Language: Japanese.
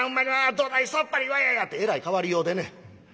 どないさっぱりわやや」てえらい変わりようでね。